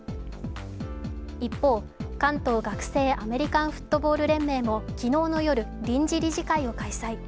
一方、関東学生アメリカンフットボール連盟も昨日の夜、臨時理事会を開催。